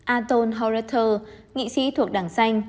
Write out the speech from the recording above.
aton horatel nghị sĩ thuộc đảng xanh